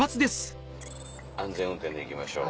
安全運転でいきましょう。